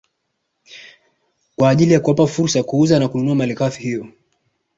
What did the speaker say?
Kwa ajili ya kuwapa fursa kuuza na kununua malighafi hiyo